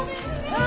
ああ！